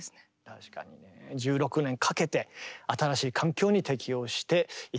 確かにね。１６年かけて新しい環境に適応していったのかもしれないんですけどもね。